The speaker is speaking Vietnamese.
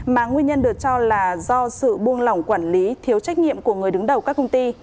mà nguyên nhân được cho là do sự buông lỏng quản lý thiếu trách nhiệm của người đứng đầu các công ty